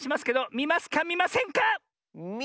みませんか？